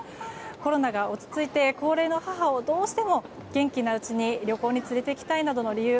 コロナ禍が落ち着いて高齢の母を、どうしても元気なうちに旅行に連れていきたいなどの理由。